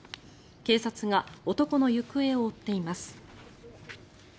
警察が男の行方を追っています。